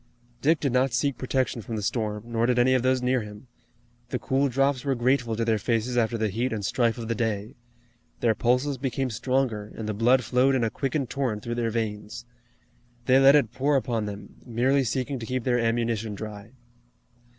Dick did not seek protection from the storm, nor did any of those near him. The cool drops were grateful to their faces after the heat and strife of the day. Their pulses became stronger, and the blood flowed in a quickened torrent through their veins. They let it pour upon them, merely seeking to keep their ammunition dry.